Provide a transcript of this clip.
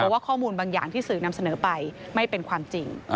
ว่าข้อมูลบางอย่างที่สื่อนำเสนอไปไม่เป็นความจริง